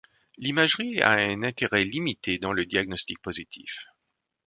L'imagerie à un intérêt limité dans le diagnostic positif.